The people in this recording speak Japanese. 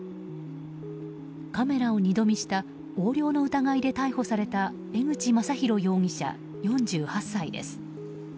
カメラを二度見した横領の疑いで逮捕された江口昌宏容疑者、４８歳です。